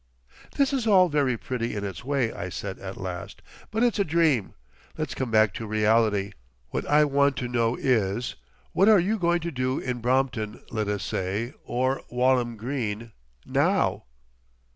"This is all very pretty in its way," I said at last, "but it's a dream. Let's come back to reality. What I want to know is, what are you going to do in Brompton, let us say, or Walham Green _now?